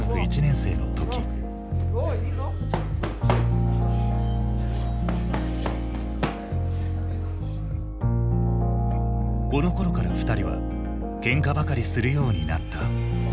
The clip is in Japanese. このころから二人はけんかばかりするようになった。